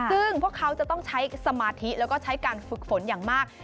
ซึ่งพวกเขาจะต้องใช้สมาธิแล้วก็ใช้การฝึกฝนอย่างมาก